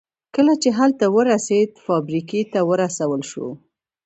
کله چې هلته ورسېد فابریکې ته ورسول شو